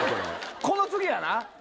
この次やな！